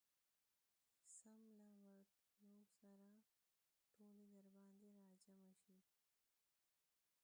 سم له ورتلو سره ټولې درباندي راجمعه شي.